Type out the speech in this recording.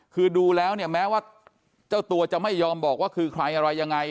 คือดูแล้วเนี่ยแม้ว่าเจ้าตัวจะไม่ยอมบอกว่าคือใครอะไรยังไง